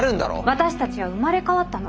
私たちは生まれ変わったの。